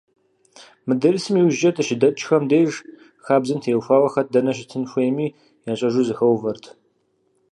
Мы дерсым иужькӏэ, дыщыдэкӏхэм деж, хабзэм теухуауэ, хэт дэнэ щытын хуейми ящӏэжу зэхэувэрт.